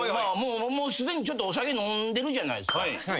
もうすでにちょっとお酒飲んでるじゃないですか。